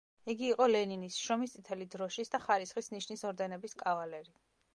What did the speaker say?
იგი იყო ლენინის, შრომის წითელი დროშის და ხარისხის ნიშნის ორდენების კავალერი.